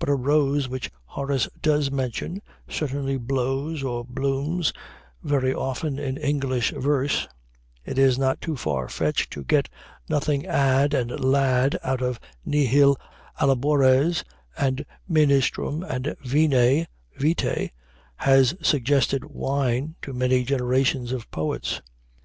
But a "rose," which Horace does mention, certainly "blows" or blooms very often in English verse; it is not too far fetched to get "nothing add" and "lad" out of "nihil allabores" and "ministrum"; and "vine" ("vite") has suggested "wine" to many generations of poets.